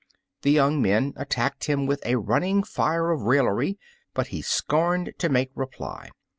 The young men attacked him with a running fire of raillery, but he scomed to make reply.